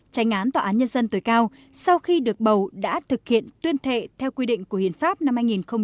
tranh án tòa án nhân dân tối cao sau khi được bầu đã thực hiện tuyên thệ theo quy định của hiến pháp năm hai nghìn một mươi ba